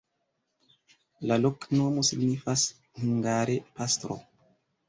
La loknomo signifas hungare: pastro.